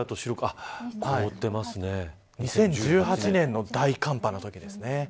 ２０１８年の大寒波のときですね。